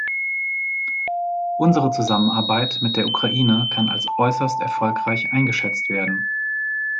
Unsere Zusammenarbeit mit der Ukraine kann als äußerst erfolgreich eingeschätzt werden.